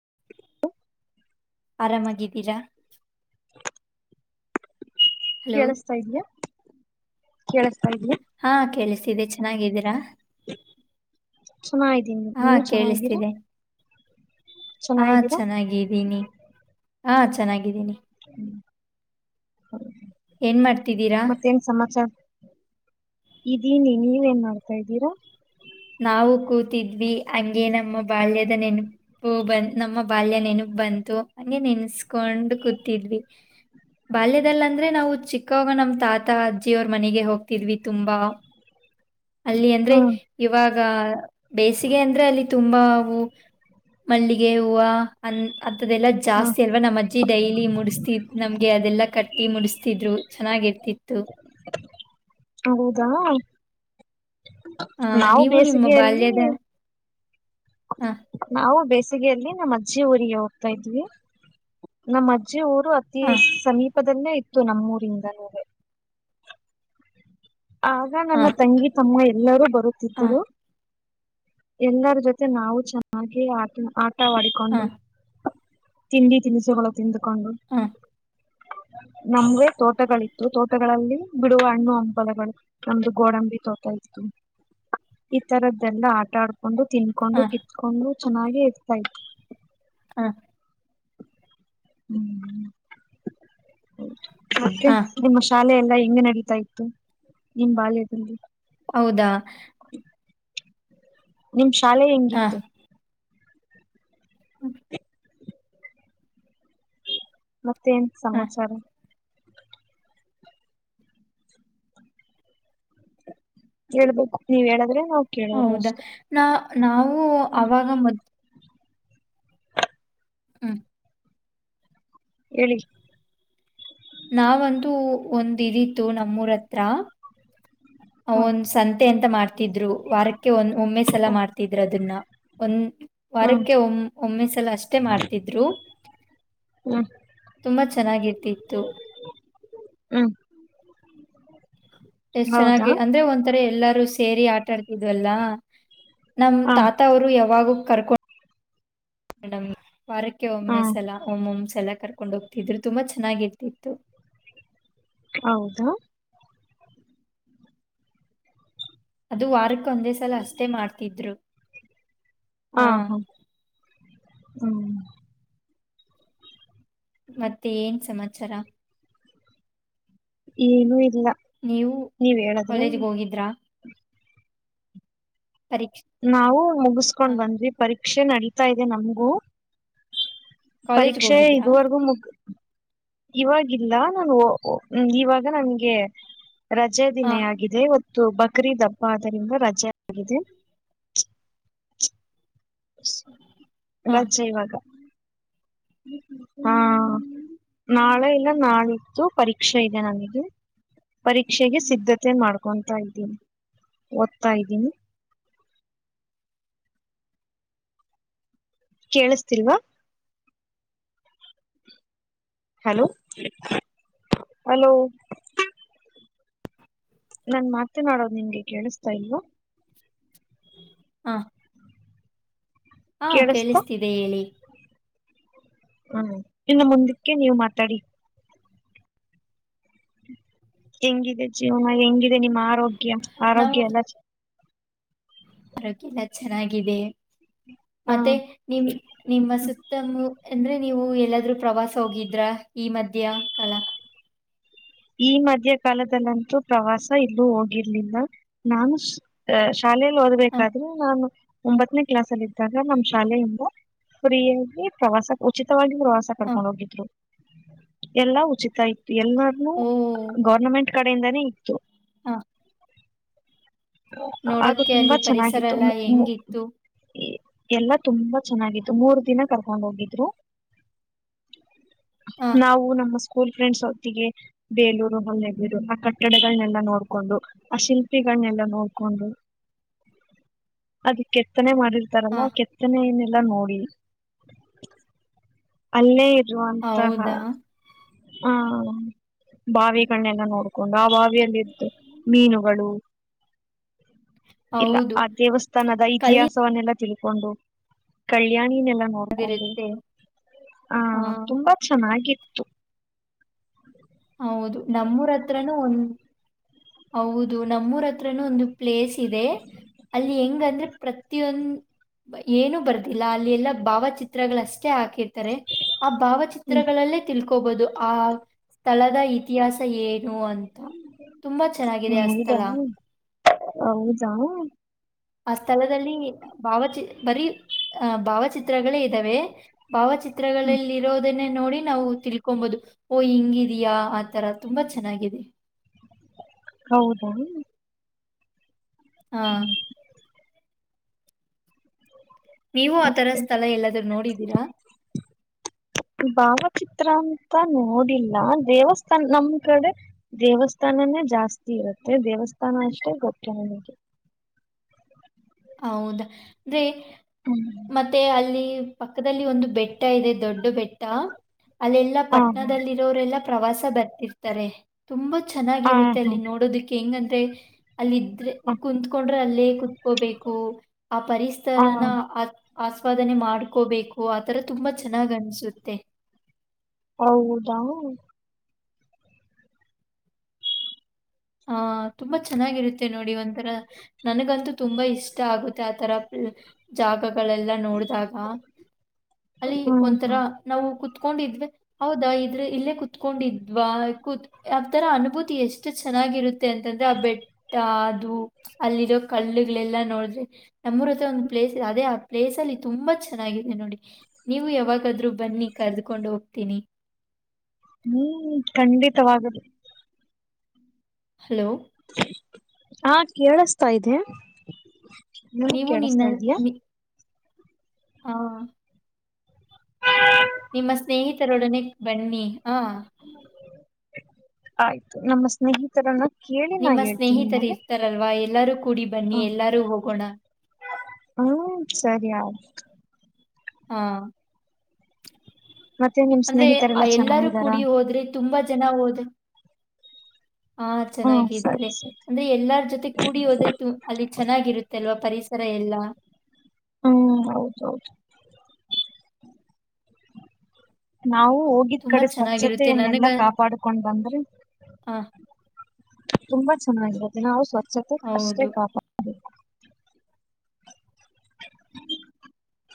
[unintelligible] ಆರಾಮಾಗಿದ್ದೀರಾ? Hello! ಕೇಳಸ್ತಾ ಇದೀಯಾ ಕೇಳಿಸ್ತಾ ಇದೀಯಾ? ಹಾ ಕೇಳಿಸ್ತಿದೆ ಚೆನ್ನಾಗಿದ್ದೀರಾ? ಚೆನ್ನಾಗ್ದೀನಿ ಹಾ, ನೀವು ಚೆನ್ನಾಗಿದ್ದೀರಾ. ಕೇಳಿಸ್ತಿದೆ. ಹಾ ಚೆನ್ನಾಗಿದ್ದೀರಾ ಚೆನ್ನಾಗಿದ್ದೀನಿ ಹಾ ಚೆನ್ನಾಗಿದ್ದೀನಿ. [unintelligible] ಏನ್ ಮಾಡ್ತಿದ್ದೀರಾ? ಇದೇನ್ ಹಿಂಗೆ ಏನ್ ಮಾಡ್ತಾ ಇದ್ದೀರಾ? ನಾವು ಕೂತಿದ್ವಿ ಹಂಗೆ ನಮ್ಮ ಬಾಲ್ಯದ ನೆನಪು ಬಂತು ನಮ್ಮ ಬಾಲ್ಯ ನೆನಪು ಬಂತು ಹಂಗೆ ನೆನ್ಸ್ಕೊಂಡ ಕೂತಿದ್ವಿ. ಬಾಲ್ಯದಲ್ಲಂದ್ರೆ ನಾವು ಚಿಕ್ಕವ್ವ ನಮ್ ತಾತ ಅಜ್ಜಿಯ ಅವರ್ ಮನೆಗೆ ಹೋಗ್ತಿದ್ವಿ ತುಂಬಾ ಅಲ್ಲಿ ಅಂದ್ರೆ ಹ್ಮ್ ಇವಾಗ ಬೇಸಿಗೆ ಅಂದ್ರೆ ಅಲ್ಲಿ ತುಂಬಾ ಹೂವು ಮಲ್ಲಿಗೆ ಹೂವ ಅನ್ ಅಂತದೆಲ್ಲ ಹ್ಮ್ ಜಾಸ್ತಿ ಅಲ್ವಾ ನಮ್ಮ ಅಜ್ಜಿ ಡೈಲಿ ಮುಡಿಸತಿದ್ ನಮ್ಗೆ ಅದೆಲ್ಲ ಕಟ್ಟ್ ಟ್ಟಿ ಮುಡಿಸ್ತಿದ್ರು ಚೆನ್ನಾಗಿರ್ತಿತ್ತು. ಹೌದಾ ಆ ನಾವು ನೀವು ನಿಮ್ಮ ಬೇಸಿಗೆಯಲ್ಲಿ ಬಾಲ್ಯದ ಆ ನಾವು ಬೇಸಿಗೆಯಲ್ಲಿ ನಮ್ಮ ಅಜ್ಜಿ ಊರಿಗೆ ಹೋಗ್ತಾ ಇದ್ವಿ ನಮ್ಮ ಅಜ್ಜ್ ಜ್ಜಿ ಊರು ಅತಿ ಆ ಸಮೀಪದಲ್ಲೇ ಇತ್ತು ನಮ್ಮೂರಿಂದ ನೂವೆ ಆಗ ಆ ನನ್ನ ತಂಗಿ ತಮ್ಮ ಎಲ್ಲರೂ ಆ ಬರುತ್ತಿದ್ದರು. ಎಲ್ಲರೂ ಜೊತೆ ನಾವು ಚೆನ್ನಾಗಿ ಆಟ ಆ ಆಟವಾಡಿಕೊಂಡು. ತಿಂಡಿ ತಿನಿಸುಗಳು ತಿಂದ್ಕೊಂಡು ಆ ನಮ್ಗೆ ತೋಟಗಳಿತ್ತು ತೋಟಗಳಲ್ಲಿ ಬಿಡುವ ಹಣ್ಣು ಹಂ ಪಲುಗಳು ನಮ್ದು ಗೋಡಂಬಿ ತೋಟ ಇತ್ತು ಈ ತರದ್ದೆಲ್ಲಾ ಆಟ ಆಡ್ಕ್ ಕೊಂಡು ತಿನ್ಕೊಂಡು ಆ ಕಿತ್ಕೊಂಡು ಚೆನ್ನಾಗೆ ಇರ್ತಾ ಇತ್ತು. ಹಾ ಹ ಆ ಮತ್ತೆ ಶಾಲೆಯಲ್ಲಿ ಎಲ್ಲಾ ಹೆಂಗ್ ನಡೀತಾ ಇತ್ತು ನಿಮ್ ಬಾಲ್ಯದಲ್ಲಿ ಹೌದಾ [unintelligible] ನಿಮ್ ಶಾಲೆ ಹೆಂಗಿತ್ತು ಹ್ಮ ಮತ್ತೇನು ಆ ಸಮಾಚಾರ ಹೇಳ್ಬೇಕು ನೀವ್ ಹೇಳಾದ್ರೆ ಹೌದಾ ನಾ ನಾವು ಅವಾಗ ಮದ್ ಹ್ಮ್ ಹೇಳಿ ನಾವಂತೂ ಒಂದು ಇದ್ದಿತ್ತು ನಮ್ಮೂರ್ ಹತ್ರ ಅವ ಹ್ಮ್ ಒಂದ್ ಸಂತೆ ಅಂತ ಮಾಡ್ತಿದ್ರು ವಾರಕ್ಕೆ ಒಂದ್ ಒಮ್ಮೆ ಸಲ ಮಾಡ್ತಿದ್ರು ಅದನ್ನ ಒಂದ್ ಹ್ಮ್ ವಾರಕ್ಕೆ ಒ ಒಮ್ಮೆ ಸಲ ಅಷ್ಟೇ ಮಾಡ್ತಿದ್ರು ಹ್ಮ ತುಂಬಾ ಚೆನ್ನಾಗಿರ್ತಿತ್ತು. ಹ್ಮ್ ಎಷ್ಟ್ ಹೌದಾ ಚೆನ್ನಾಗಿ ಅಂದ್ರೆ ಒಂಥರ ಎಲ್ಲಾರು ಸೇರಿ ಆಟ ಆಡ್ತಿದ್ವಲ್ಲಾ ನಮ್ ಹ ತಾತ ಅವರು ಯಾವಾಗ ಕರ್ಕೊಂಡ್ ನಮ್ನ್ ವಾರಕ್ಕೆೆ ಒಮ್ಮೆ ಹ್ಮ್ ಸಲ ಒಮ್ ಒಮ್ ಸಲ ಕರ್ ಕೊಂಡ ಹೋಗ್ತಿದ್ರು ತುಂಬಾ ಚೆನ್ನಾಗಿರ್ತಿತ್ತು. ಹೌದಾ ಅದು ವಾರಕ್ಕೊಂದೇ ಸಲ ಅಷ್ಟೇ ಮಾಡ್ತಿದ್ರು. ಹಾ ಹಾ ಹ್ಮ್ ಮತ್ತೇನ್ ಸಮಾಚಾರ ಏನು ಇಲ್ಲ ನೀವು ನೀವ್ ಹೇಳಿದ್ರೆ ಕಾಲೇಜ್ಗೆ ಹೋಗಿದ್ರಾ ಪರೀಕ್ಷೆ ನಾವು ಹ ಮುಗಸ್ಕೊಂಡ್ ಬಂದ್ವಿ ಪರೀಕ್ಷೆ ನಡಿತಾ ಇದೆ ನಮ್ಗೂ ಕಾಲೇಜ್ಗೆ ಪರೀಕ್ಷೆ ಹೋಗಿದ್ರಾ ಇದುವರೆಗೂ ಮುಗ್ ಇವಾಗಿಲ್ಲ ನಾ ಒ ಒ ಇವಾಗ ನಂಗೆ ರಜೆ ಹ ದಿನೇ ಆಗಿದೆ ಇವತ್ತು ಬಕ್ರಿದ್ ಹಬ್ಬ ಆದರಿಂದ ರಜೆ ಆಗಿದೆ. ಹ ರಜೆ ಇವಾಗ ಹಾ ನಾಳೆ ಇಲ್ಲ ನಾಳಿದ್ದು ಪರೀಕ್ಷೆ ಇದೆ ನಮಗೆ ಪರೀಕ್ಷೆಗೆ ಸಿದ್ಧತೆ ಮಾಡ್ಕೊತಾ ಇದ್ದೀನಿ ಓದ್ತಾ ಇದ್ದೀನಿ. [unintelligible] ಕೇಳಿಸತಿಲ್ವಾ ಹಲೋ ಹಲೋ ನಾನ್ ಮಾತನಾಡೋದು ನಿಮಗೆ ಕೇಳಿಸ್ತಾ ಇಲ್ವಾ ಹಾ ಹಾ ಕೇಳಿಸ್ತಾ ಕೇಳಿಸ್ತಿದೆ ಹೇಳಿ ಹ್ಮ ಇನ್ನು ಮುಂದಕ್ಕೆ ನೀವು್ ಮಾತಾಡಿ ಹೆಂಗಿದೆ ಜೀವನ ಹೆಂಗಿದೆ ನಿಮ್ಮ ಆರೋಗ್ಯ ನಾವು ಆರೋಗ್ಯ ಎಲ್ಲ ಆರೋಗ್ಯ ಎಲ್ಲ ಚೆನ್ನಾಗಿದೆ ಹ ಮತ್ತೆ ನಿಮ ನಿಮ್ಮ ಸುತ್ತಮು ಅಂದ್ರೆ ನೀವು ಎಲ್ಲಾದ್ರೂ ಪ್ರವಾಸ ಹೋಗಿದ್ರ ಈ ಮಧ್ಯ್ಯ ಕಲ ಈ ಮಧ್ಯ ಕಾಲದಲ್ಲಂತೂ ಪ್ರವಾಸ ಇಲ್ಲೂ ಹೋಗಿರ್ಲಿಲ್ಲ ನಾನು [unintelligible] ಶಾಲೇೆಯಲ್ಲಿ ಹ ಓದ್ಬೇಕಾದ್ರೆ ನಾನು ಒಂಬತ್ತನೇ ಕ್ಲಾಸ್ ಅಲ್ಲಿ ಇದ್ದಾಗ ನಮ್ಮ್ ಶಾಲೆಯಿಂದ ಫ್ರೀಯಾಗಿ ಪ್ರವಾಸ ಉಚಿತವಾಗಿ ಪವಾಸ ಹ ಕಡ್ಕೊಂಡ್ ಹೋಗಿದ್ರು ಎಲ್ಲಾ ಉಚಿತ ಇತ್ತು ಎಲ್ಲಾರ್ನುೂ ಓ ಗೌರ್ನಮೆಂಟ್ ಕಡೆಯಿಂದಾನೇ ಇತ್ತು ಹಾ ಹಾಗದು ತುಂಬಾ ಅಲ್ಲಿ ಪರಿಸರ ಚೆನ್ನಾಗಿತ್ತು ಎಲ್ಲ ಮ ಮ ಹೆಂಗಿತ್ತು? ಈ [unintelligible] ಎಲ್ಲಾ ತುಂಬಾ ಚೆನ್ನಾಗಿತ್ತು ಮೂರ್ ದಿನ ಕರ್ಕೊಂಡ್ ಹೋಗಿದ್ರು ಹ ನಾವು ನಮ್ಮ ಸ್ಕೂಲ್ ಫ್ರೆಂಡ್ಸ್ ಹೊತ್ತಿಗೆ ಬೇಲೂರು ಹೊಳ್ಳೆರು ಆ ಕಟ್ಟಡಗಳನೆೆಲ್ಲ ನೋಡ್ಬ ಕೊಂಡು ಆ ಶಿಲ್ಪಿಗಳನ್ನೆಲ್ಲ ನೋಡ್ಕೊಂಡು ಅದು ಕೆತ್ತನೆ ಹ ಮಾಡಿರ್ತಾರಲ್ಲ ಕೆತ್ತನೆ ಎಲ್ಲ ನೋಡಿ ಅಲ್ಲೇ ಇರುವಂತಹ ಹೌದಾ? ಹಾ ಬಾವಿಗಳನ್ನೆಲ್ಲ ನೋಡ್ಕೊಂಡು ಆ ಬಾವಿಯಲ್ಲಿ್ದು ಮೀನುಗಳು ಇಲ್ಲ ಹೌದು ಆ ದೇವಸ್ಥಾನದ ಇತಿಹಾಸವನ್ನೆಲ್ಲಾ ತಿಳ ಕೊಂಡು ಕಲ್ಯಾಣಿನೆಲ್ಲ ನೋಡ್ಕೊಂಡು ಕಲ್ಲಿರುತ್ತೆ ಹ ಹಾ ತುಂಬಾ ಚಂದ ಹಗಾಗಿತ್ತು ಹೌದು ನಮ್ಮೂರ ಹತ್ರನುೂ ಒಂದು ಹೌದು ನಮ್ಮೂರ ಹತ್ರನುೂ ಒಂದು ಪ್ಲೇಸ್ ಇದೆ ಅಲ್ಲಿ ಹೆಂಗಂದ್ರೆ ಪ್ರತಿಯೊಂದು ಏನು ಬರ್ದಿಲ್ಲ ಅಲ್ಲಿ ಎಲ್ಲಾ ಭಾವಚಿತ್ರಗಳ ಅಷ್ಟೇ ಹಾಕಿರ್ತಿ [unintelligible] ಆ ಹ್ಮ್ ಭಾವಚಿತ್ರಗಳಲ್ಲೇ ತಿಳ್ಕೋಬಹುದು ಆ ಸ್ಥಳದ ಇತಿಹಾಸ ಏ ನೀೂ ಅಂತ ತುಂಬಾ ಚೆನ್ನಾಗಿದೆ ಆ ಸ್ಥಳ ಹೌದಾ ಹೌದಾ ಆ ಸ್ಥಳದಲ್ಲಿ ಭಾವಚಿ ಬರೀ ಆಹ ಭಾವಚಿತ್ರಗಳೇ ಇದ್ದಾವೆ ಹ್ಮ ಭಾವಚಿತ್ರಗಳಲ್ಲಿರೋದನೆ ನೋಡಿ ನಾವು ತಿಳ್ಕೊಂಬಹುದು ಓ ಹಿಂಗಿದಯಾ ಆತರ ತುಂಬಾ ಚೆನ್ನಾಗಿದೆ ಹೌದಾ ಹಾ ನೀವು ಆತರ ಮತ್ತೆ ಸ್ಥಳ ಎಲ್ಲಾದೂ ನೋಡಿದ್ದೀರಾ ಚಿತ್ರ ಅಂತ ನೋಡಿಲ್ಲ ದೇವಸ್ಥಾನ ನಮ್ ಕಡೆ ದೇವಸ್ಥಾನನೇ ಜಾಸ್ತಿ ಇರುತ್ತೆ ದೇವಸ್ಥಾನ ಅಷ್ಟೇ ಗೊತ್ತು ನನಗೆ ಹೌದಾ ಅಂದ್ರೆ ಹ ಮತ್ತೆ ಅಲ್ಲಿ ಪಕ್ಕದಲ್ಲಿ ಒಂದು ಬೆಟ್ಟ ಇದೆ ದೊಡ್ಡ ಬೆಟ್ಟ ಅಲ್ಲೆಲ್ಲಾ ಹಾ ಪಟ್ಟಣದಲ್ಲಿರೋರೆಲ್ಲ ಪ್ರವಾಸ ಬರ್ತಿರ್ತಾರೆ ತುಂಬಾ ಹಾ ಚೆನ್ನಾಗಿರುತ್ತೆ ಅಲ್ಲಿ ನೋಡೋದಕ್ಕೆ ಹೆಂಗಂದ್ರೆ ಅಲ್ಲ ಇದ್ರೆ ಕುಂತ್ಕೊಂಡ್ರೆ ಅಲ್ಲೇ ಕುೂತ್ಕೋಬೇಕು ಆ ಹಾ ಪರಿಸರನ ಹ ಆ ಆಸ್ವಾದನೆ ಮಾಡ್ಕೋಬೇಕು ಆತರ ತುಂಬಾ ಚೆನ್ನಾಗ್ ಅನ್ಸುತ್ತೆ ಹೌದಾ ಹಾ ತುಂಬಾ ಚೆನ್ನಾಗಿರುತ್ತೆ ನೋಡಿ ಒಂಥರ ನನಗಂತೂ ತುಂಬಾ ಇಷ್ಟ ಆಗುತ್ತೆ ಆತರ ಜಾಗಗಳೆಲ್ಲ ನೋಡಿದಾಗ ಅಲ್ಲಿ ಹ್ಮ್ ಒಂಥರ ಹ್ಮ್ ನಾವು ಕು ಕುತ್ಕೊಂಡಿದ್ವಿ ಹೌದಾ ಇದ್ರೆ ಇಲ್ಲೇ ಕುೂತ್ಕೊಂಡಿದ್ವಾತ್ ಯಾವ ತರ ಅನುಭೂತಿ ಎಷ್ಟು ಚೆನ್ನಾಗಿರುತ್ತೆ ಅಂತಂದ್ರೆ ಆ ಬೆಟ್ಟ ಅದು [inaudible] ಅಲ್ಲಿರೋ ಕಳ್ಳುಗಳೆಲ್ಲಾ ನೋಡಿದ್ರೆ ನಮ್ಮರ ಹತ್ರ ಒಂದು ಪ್ಲೇಸ್ ಇದೆ ಅದೇ ಆ ಪ್ಲೇಸ್ ಅಲ್ಲಿ ತುಂಬಾ ಚೆನ್ನಾಗಿದೆ ನೋಡಿ ನೀವು ಯಾವಾಗಾದ್ರೂ ಬನ್ನಿ ಕರ್ದಕೊಂಡು ಹೋಗ್ತೀನಿ ಹ್ಮ್ ಖಂಡಿತವಾಗಲ್ಲ ಹಲೋ ಹಾ ಕೇಳಸ್ತಾ ಇದೆ ನೀ ನೀವು ಕೇಳಸ್ತಾ ಇದಯಾ ಹಾ ನಿಮ್ಮ ಸ್ನೇಹಿತರೊಡನೆ ಬನ್ನಿ ಆ ಆಯ್ತು ನಮ್ಮ ಸ್ನೇಹಿತರನ್ನ ಕೇಳಿ ನಾ ನಿಮ್ಮ ಹೇಳ್ತೀನಿ ನಿಮಗೆ ಸ್ನೇಹಿತರಿರ್ತಾರಲ್ವಾ ಎಲ್ಲಾರೂ ಕೂಡಿ ಬನ್ನಿ ಹ್ಮ್ ಎಲ್ಲಾರೂ ಹೋಗೋಣ ಹ್ಮ್ ಸರಿ ಆಯ್ತು [inaudible] ಹಾ ಮತ್ತೆ ನಿಮ್ ಅಂದ್ರೆ ಸ್ನೇಹಿತರೆಲ್ಲಾ ಎಲ್ಲಾರೂ ಚೆನ್ನಾಗಿದಾರ ಕುಡಿ ಹೋದ್ರೆ ತುಂಬಾ ಜನ ಹೋದ ಹಾ ಹ್ಮ್ ಚೆನ್ನಾಗಿದ್ದಾರೆ ಸರಿ ಸರಿ ಅಂದ್ರೆ ಎಲ್ಲಾರ ಜೊತೆ ಕೂಡಿ ಹೋದೇತು ಅಲ್ಲಿ ಚೆನ್ನಾಗಿರುತ್ತೆ ಅಲ್ವಾ ಪರಿಸರ ಎಲ್ಲ ಹ್ಮ್ ಹೌದೌದು ನಾವು ಹೋಗಿದ್ ತುಂಬಾ ಕಡೆ ಚೆನ್ನಾಗಿರುತ್ತೆ ನನಗ ಸ್ವಚ್ಛತೆಯನ್ನೆಲ್ಲಾ ಕಾಪಾಡ್ಕೊಂಡ್ ಬಂದ್ರೆ ಆ, ತುಂಬಾ ಚೆನ್ನಾಗಿರುತ್ತೆ ನಾವು ಸ್ವಚ್ಛತೆ ಅಷ್ಟೇ ಹೌದು ಕಾಪಾಬೇಕು ಹ [unintelligible]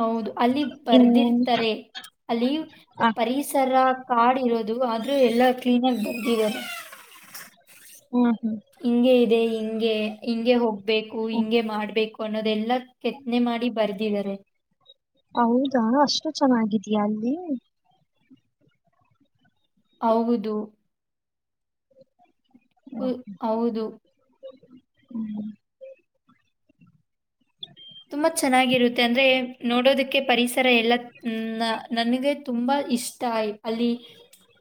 ಹೌದು ಅಲ್ಲಿ ಬರ್ದಿರ್ತಾರೆ ಅಲ್ಲಿ ಹ ಪರಿಸರ ಕಾಡ್ ಇರೋದು ಆದ್ರೂ ಎಲ್ಲಾ ಕ್ಲೀನ್ ಆಗಿ ಬರ್ಂದಿದ್ದಾರೆ [inaudible] ಹ್ಮ್ ಹ್ಮ್ ಹಿಂಗಗೆ ಇದೆ ಹಿಂಗೆ ಹಿಂಗೆ ಹೋಗ್ಬೇಕು ಹ್ಮ್ ಹಿಂಗೆ ಮಾಡ್ಬೇಕು ಅನ್ನೋದೆಲ್ಲಾ ಕೆತ್ತನೆ ಮಾಡಿ ಬರ್ದಿದ್ದಾರೆ ಹೌದಾ ಅಷ್ಟು ಚೆನ್ನಾಗಿದಯಾ ಅಲ್ಲಿ ಹೌದು ಹೌದು ಹ್ಮ್ ತುಂಬಾ ಚೆನ್ನಾಗಿರುತ್ತೆ ಅಂದ್ರೆ ನೋಡೋದಕ್ಕೆ ಪರಿಸರ ಎಲ್ಲ ನನಗೆ ತುಂಬಾ ಇಷ್ಟ ಅಲ್ಲಿ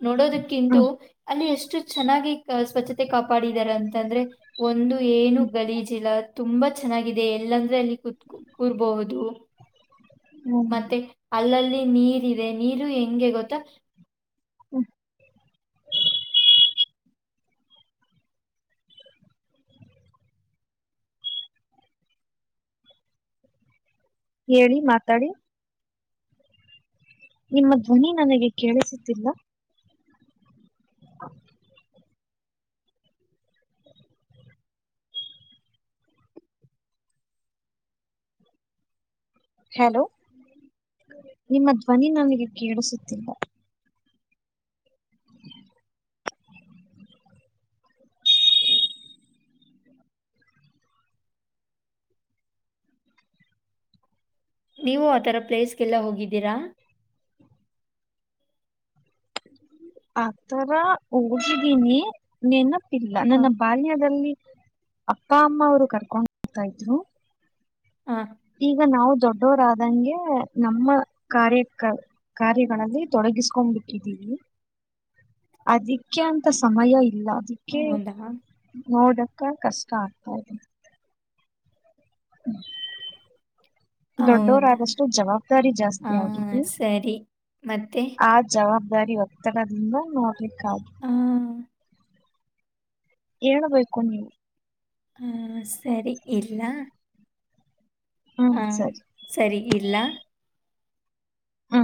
ನೋಡೋದಕ್ಕಿಂತ ಹ್ಮ್ ಅಲ್ಲಿ ಎಷ್ಟು ಚೆನ್ನಾಗಿ ಸ್ವಚ್ ಮತ್ತೆ ಕಾಪಾಡಿದಾರ ಅಂತಂದ್ರೆ ಒಂದು ಏನು ಗಲೀಜಿಲ್ಲ ತುಂಬಾ ಚೆನ್ನಾಗಿದೆ ಎಲ್ಲಾಂದ್ರೆ ಅಲ್ಲಿ ಕುೂತ್ ಕೂರ್ಬಹುದು ಹ್ಮ್ ಮತ್ತೆ ಅಲ್ಲಲ್ಲಿ ನೀರ್ ಇದೆ ನೀರು ಹೆಂಗೆ ಗೊತ್ತ ಹ್ಮ ಹೇಳಿ ಮಾತಾಡಿ ನಿಮ್ಮ ಧ್ವನಿ ನನಗೆ ಕೇಳಿಸುತ್ತಿಲ್ಲ [inaudible] ಹಲೋ ನಿಮ್ಮ ಧ್ವನಿ ನನಗೆ ಕೇಳಿಸುತ್ತಿಲ್ಲ ನೀವು ಆತರ ಪ್ಲೇಸ್ಗೆಲ್ಲ ಹೋಗಿದ್ದೀರಾ ಆತರ ಹೋಗಿದ್ದೀನಿ ನೆನಪಿಲ್ಲ ಹಾ ನನ್ನ ಬಾಲ್ಯದಲ್ಲಿ ಅಪ್ಪ ಅಮ್ಮ ಅವರು ಕರ್ಕೊಂಡ್ ಹೋಗರ್ತಾ ಇದ್ರು ಹಾ ಈಗ ನಾವು ದೊಡ್ಡವರಾದಂಗೆ ನಮ್ಮ ಕಾರ್ಯಕ ಕಾರ್ಯಗಳಲ್ಲಿ ತೊಡಗಿಸ್ಕೊಂಡ್ ಬಿಿಟ್ಟಿದ್ದೀಿ ಅದಿ ಅದಕ್ಕೆ ಅಂತ ಸಮಯ ಇಲ್ಲ ಅದಕ್ಕೆ ಹೌದಾ ನೋಡ ಕಷ್ಟ ಆಗ್ತಾ ಇದೆ ಹ ಹೌದಾ ದೊಡ್ಡವರಾದಷ್ಟು ಜವಾಬ್ದಾರಿ ಜಾಸ್ತಿ ಆ ಆಗಿದ್ದ ಸರಿ ಮತ್ತೆ ಆ ಜವಾಬ್ದಾರಿ ಒತ್ತಡದ್ರಿಂದ ನೋಡ್ಲಿಕ್ಕಾದು ಆ ಹೇಳ್ಬೇಕು ನೀವು ಹ್ಮ ಸರಿ ಇಡ್ಲಾ ಹ್ಮ್ ಹಾ ಸರಿ ಸರಿ ಇಡ್ಲಾ ಹಾ